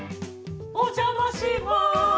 お邪魔します